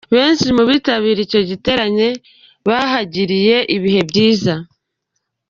Benshi mu bitabiriye icyo giterane, bahagiriye ibihe byiza.